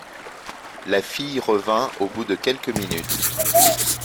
La fille revint au bout de quelques minutes.